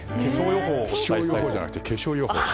気象予報じゃなくて化粧予報。